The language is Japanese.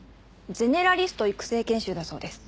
ゼネラリスト育成研修だそうです。